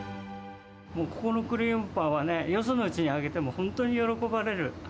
もうここのクリームパンはね、よそのうちにあげても、本当に喜ばれる。